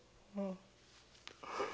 ああ！